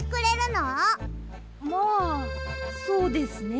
まあそうですね。